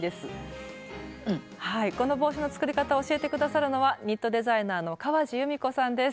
この帽子の作り方を教えて下さるのはニットデザイナーの川路ゆみこさんです。